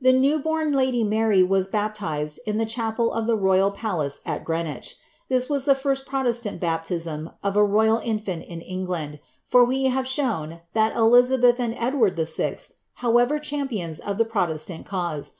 The tiew bom lady Mary xns baptized in the chapel of the tojfi palace at Greeawich. This was the lirsl protesiant baptiam of a nrd infaat in England, for we have ehowa that Elizabeth and Edward vi however championa of th use.